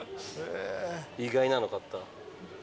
意外なの買った。